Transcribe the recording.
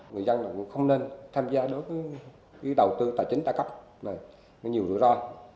người dân cũng không nên tham gia đối với đầu tư tài chính tài cấp nhiều rủi ro